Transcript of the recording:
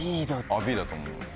あＢだと思う。